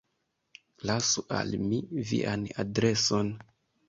Lasu al mi vian adreson.